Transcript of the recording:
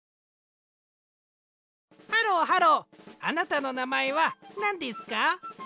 ハローハローあなたのなまえはなんですか？